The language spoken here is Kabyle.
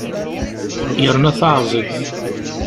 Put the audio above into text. Yerna taεẓegt!